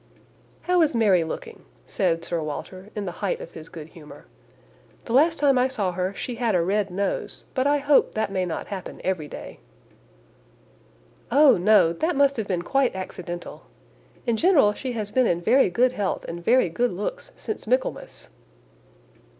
"How is Mary looking?" said Sir Walter, in the height of his good humour. "The last time I saw her she had a red nose, but I hope that may not happen every day." "Oh! no, that must have been quite accidental. In general she has been in very good health and very good looks since Michaelmas."